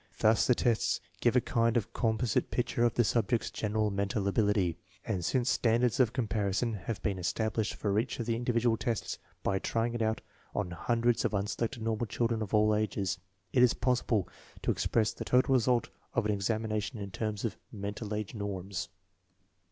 Thus the tests give a kind of com posite picture of the subject's general mental ability, and since standards of comparison have been estab lished for each of the individual tests by trying it out on hundreds of unselected normal children of all ages, it is possible to express the total result of an examina tion in terms of "mental age" norms.